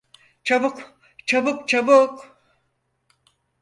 Çabuk, çabuk, çabuk!